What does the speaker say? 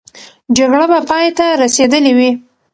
جګړه به پای ته رسېدلې وي.